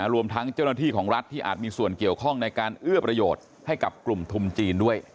รวมทั้งเจ้าหน้าที่ของรัฐที่อาจมีส่วนเกี่ยวข้องในการเอื้อประโยชน์ให้กับกลุ่มทุนจีนด้วย